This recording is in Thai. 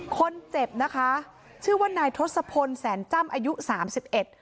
คนเจ็บนะคะชื่อว่านายทศพลแสนจ้ำอายุสามสิบเอ็ด